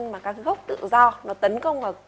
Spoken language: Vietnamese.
mà các gốc tự do nó tấn công